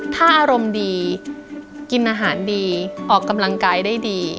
ถ้าอารมณ์ดีกินอาหารดีออกกำลังกายได้ดี